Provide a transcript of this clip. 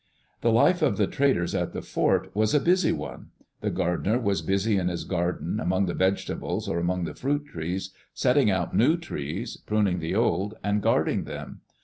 The life of the traders at the fort was a busy one. The gardener was busy in his garden, among the vegetables or among the fruit trees, setting out new trees, pruning the old, and guarding them.